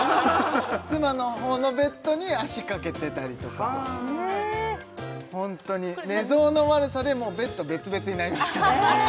妻の方のベッドに足かけてたりとかホントに寝相の悪さでベッド別々になりましたね